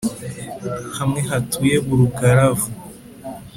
Hamwe hatuye Burugaravu